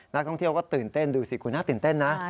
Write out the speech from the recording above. นักท่องเที่ยวก็ตื่นเต้นดูสิคุณน่าตื่นเต้นนะ